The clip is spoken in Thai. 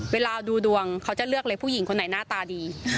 เวลาดูดวงเขาจะเลือกเลยผู้หญิงคนไหนหน้าตาดี